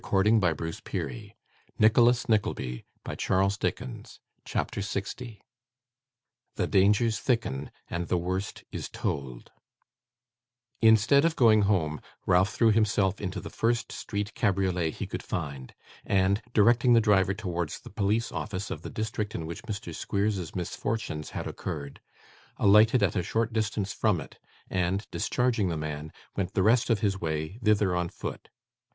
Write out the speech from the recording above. Thus they parted, for that time; but the worst had not come yet. CHAPTER 60 The Dangers thicken, and the Worst is told Instead of going home, Ralph threw himself into the first street cabriolet he could find, and, directing the driver towards the police office of the district in which Mr. Squeers's misfortunes had occurred, alighted at a short distance from it, and, discharging the man, went the rest of his way thither on foot.